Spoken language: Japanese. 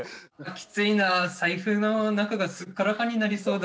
きついなあ財布の中がすっからかんになりそうだ。